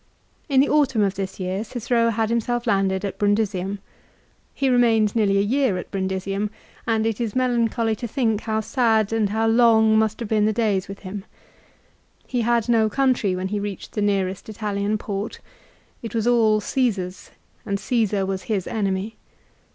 IN the autumn of this year Cicero had himself landed at Brundisium. He remained nearly a year at Brundisium, B c 40 and it is melancholy to think how sad and how aetat. 59. j on g mus t ] iave ] Deen ^he days with him. He had no country when he reached the nearest Italian port. It was all Caesar's, and Caesar was his enemy.